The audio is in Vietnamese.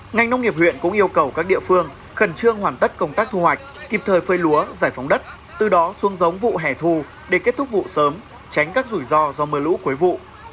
ngành nông nghiệp huyện cũng yêu cầu các địa phương khẩn trương hoàn tất công tác thu hoạch kịp thời phơi lúa giải phóng đất từ đó xuân giống vụ hẻ thu để kết thúc vụ sớm tránh các rủi ro do mưa lũ cuối vụ